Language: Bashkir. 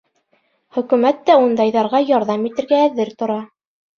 Хөкүмәт тә ундайҙарға ярҙам итергә әҙер тора.